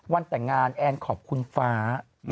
วันแต่งงานแอนขอบคุณฟ้า